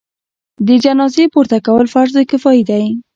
د جنازې پورته کول فرض کفایي دی.